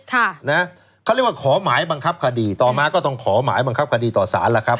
เขาเรียกว่าขอหมายบังคับคดีต่อมาก็ต้องขอหมายบังคับคดีต่อสารล่ะครับ